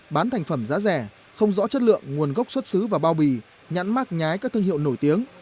bán thành phẩm giá rẻ không rõ chất lượng nguồn gốc xuất xứ và bao bì nhãn mát nhái các thương hiệu nổi tiếng